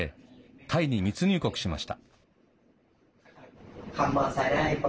タイに密入国しました。